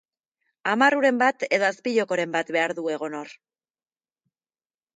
Amarruren bat edo azpijokoren bat behar du egon hor.